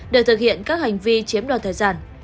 để thực hiện các hành vi chiếm đoạt thời gian